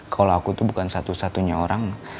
kalau aku tuh bukan satu satunya orang